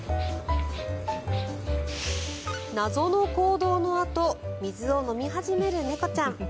謎の行動のあと水を飲み始める猫ちゃん。